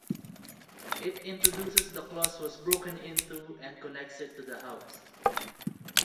It introduces the clause "was broken into" and connects it to the house.